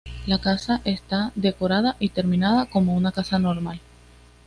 La casa está decorada y terminada como una casa normal.